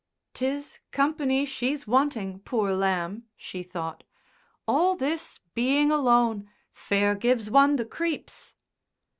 "'Tis company she's wanting, poor lamb," she thought, "all this being alone.... Fair gives one the creeps."